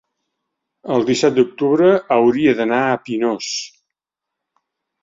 el disset d'octubre hauria d'anar a Pinós.